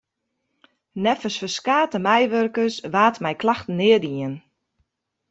Neffens ferskate meiwurkers waard mei klachten neat dien.